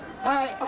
はい。